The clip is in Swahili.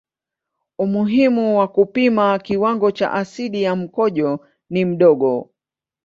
Umuhimu wa kupima kiwango cha asidi ya mkojo ni mdogo.